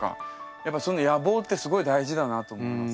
やっぱその野望ってすごい大事だなと思います。